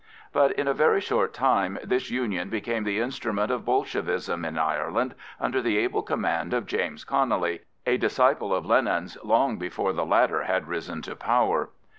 But in a very short time this Union became the instrument of Bolshevism in Ireland under the able command of James Connelly, a disciple of Lenin's long before the latter had risen to power.